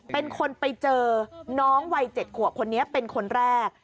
เป็นคนไปเจอน้องวัย๗ขวบคนนี้เป็นคนแรก